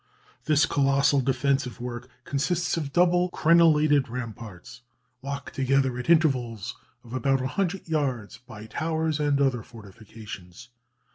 This colossal defensive work consists of double crenelated ramparts, locked together, at intervals of about 100 yards, by towers and other fortifications.